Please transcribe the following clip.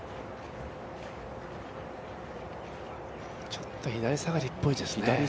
ちょっと左下がりっぽいですね。